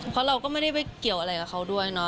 เพราะเราก็ไม่ได้ไปเกี่ยวอะไรกับเขาด้วยเนาะ